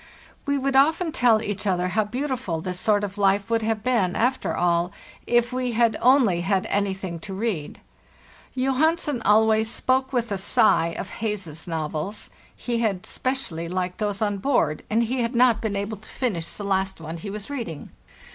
We would often tell each other how beautiful this sort of life would have been, after all, if we had only had anything to read. Johansen always spoke with a sigh of Heyse's novels; he had specially liked those on board, and he had not been able to finish the last one he was reading.